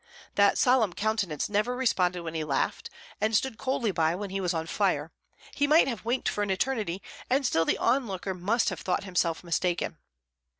That solemn countenance never responded when he laughed, and stood coldly by when he was on fire; he might have winked for an eternity, and still the onlooker must have thought himself mistaken.